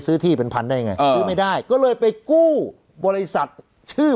ซื้อที่เป็นพันได้ไงซื้อไม่ได้ก็เลยไปกู้บริษัทชื่อ